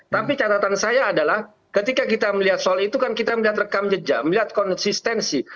tapi catatan saya adalah ketika kita melihat soal itu kan kita melihat rekam jejak melihat konsistensi